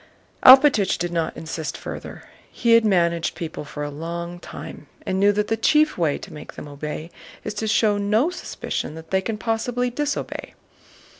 Alpátych did not insist further. He had managed people for a long time and knew that the chief way to make them obey is to show no suspicion that they can possibly disobey.